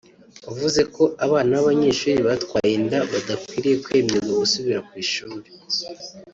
wavuze ko abana b’abanyeshuri batwaye inda badakwiye kwemererwa gusubira ku ishuri